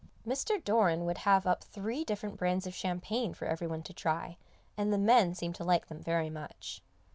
Mr. Doran would have up three different brands of champagne for every one to try, and the men seemed to like them very much.